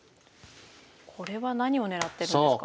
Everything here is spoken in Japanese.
これは何を狙ってるんですか？